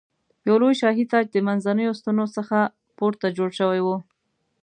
یو لوی شاهي تاج د منځنیو ستنو څخه پورته جوړ شوی و.